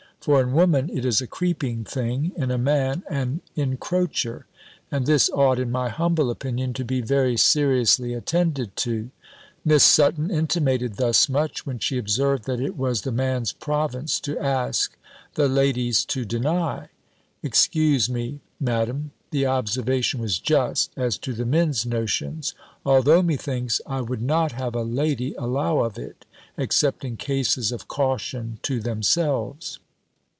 For in woman it is a creeping thing, in a man an incroacher; and this ought, in my humble opinion, to be very seriously attended to. Miss Sutton intimated thus much, when she observed that it was the man's province to ask, the lady's to deny: excuse me. Madam, the observation was just, as to the men's notions; although, methinks, I would not have a lady allow of it, except in cases of caution to themselves.